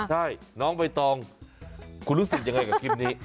ใช่น้องใบตองคุณรู้สึกยังไงกับคลิปนี้